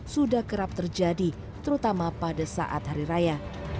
sudah kerap terjadi terutama pada saat hari raya